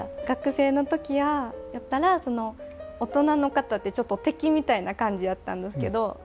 学生の時やったら大人の方ってちょっと敵みたいな感じやったんどすけど。